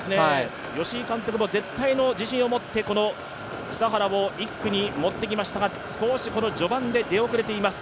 吉井監督も絶対の自信を持って、この北原を１区に持ってきましたが、少し序盤で出遅れています。